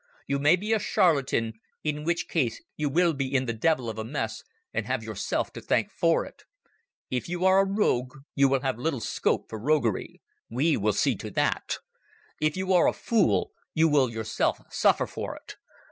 You may be a charlatan, in which case you will be in the devil of a mess and have yourself to thank for it. If you are a rogue you will have little scope for roguery. We will see to that. If you are a fool, you will yourself suffer for it.